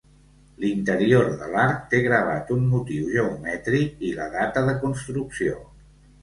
L'interior de l'arc té gravat un motiu geomètric i la data de construcció.